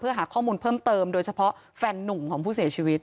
หาข้อมูลเพิ่มเติมโดยเฉพาะแฟนนุ่มของผู้เสียชีวิต